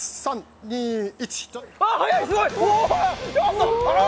おお、速い、すごい！